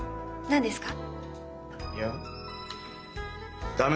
何ですか？